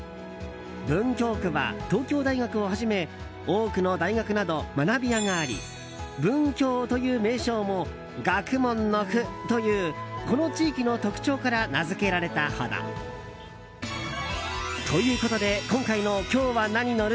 文京区は東京大学をはじめ多くの大学など学び舎があり文京という名称も学問の府というこの地域の特徴から名付けられたほど。ということで今回の今日はなに乗る？